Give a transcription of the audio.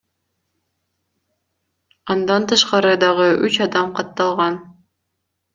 Андан тышкары дагы үч адам катталган.